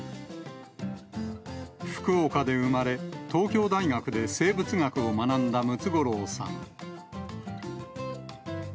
福岡で生まれ、東京大学で生物学を学んだムツゴロウさん。